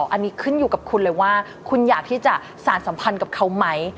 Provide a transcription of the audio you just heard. อันนี้ขึ้นอยู่กับคุณเลยว่าคุณอยากที่จะสารสัมพันธ์กับเขาไหม